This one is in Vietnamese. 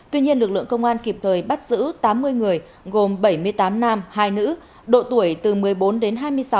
tuy nhiên lực lượng công an kịp thời bắt giữ tám mươi người gồm bảy mươi tám nam hai nữ độ tuổi từ một mươi bốn đến hai mươi sáu